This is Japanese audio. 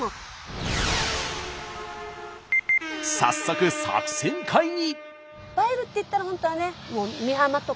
早速作戦会議！